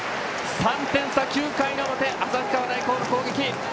３点差、９回の表旭川大高の攻撃。